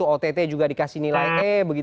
ott juga dikasih nilai e